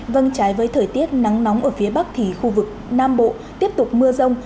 vâng trái với thời tiết nắng nóng ở phía bắc thì khu vực nam bộ tiếp tục mưa rông